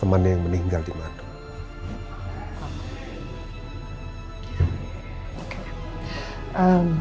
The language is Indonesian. teman yang meninggal di madu